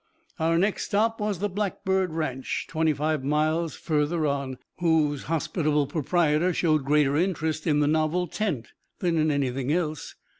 Our next stop was the Blackbird ranch, twenty five miles further on, whose hospitable proprietor showed greater interest in the novel tent than in anything else.